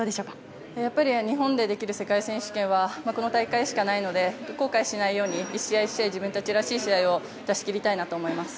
日本でできる世界選手権はこの大会しかないので後悔しないように１試合１試合自分たちらしい試合を出しきりたいなと思います。